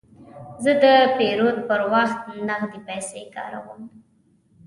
زه د پیرود پر وخت نغدې پیسې کاروم.